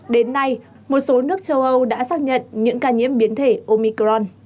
đến nay một số nước châu âu đã xác nhận những ca nhiễm biến thể omicron